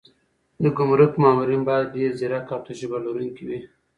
د ګمرک مامورین باید ډېر ځیرک او تجربه لرونکي وي.